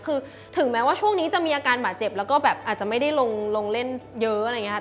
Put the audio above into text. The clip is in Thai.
คือถึงแม้ว่าช่วงนี้จะมีอาการบาดเจ็บแล้วก็แบบอาจจะไม่ได้ลงเล่นเยอะอะไรอย่างนี้ค่ะ